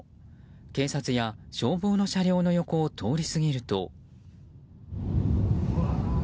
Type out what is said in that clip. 警察や消防の車両の横を通り過ぎると。